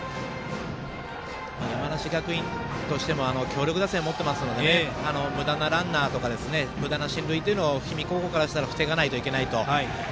山梨学院としても強力打線を持っているのでむだなランナーとかむだな進塁というのは氷見高校からしたら防がなきゃいけないと。